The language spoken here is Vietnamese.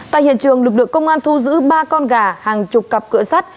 tại hiện trường lực lượng công an thu giữ ba con gà hàng chục cặp cửa sắt